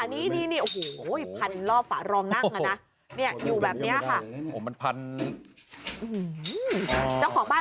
ตัวขนาดนี้๒เมตรครึ่งปะ